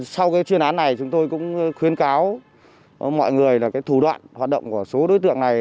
sau cái chuyên án này chúng tôi cũng khuyến cáo mọi người là thủ đoạn hoạt động của số đối tượng này